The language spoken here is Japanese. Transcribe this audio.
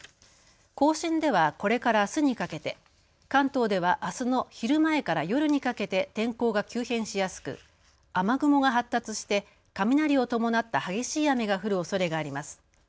甲信ではこれからあすにかけて関東ではあすの昼前から夜にかけて天候が急変しやすく雨雲が発達して雷を伴った激しい雨が降るおそれがあります。